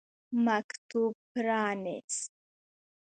مکتوب پرانیست.